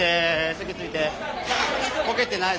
席着いて。